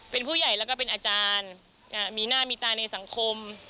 เป็นผู้ใหญ่แล้วก็เป็นอาจารย์มีหน้ามีตาในสังคม